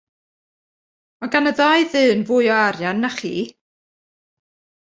Mae gan y ddau ddyn fwy o arian na chi!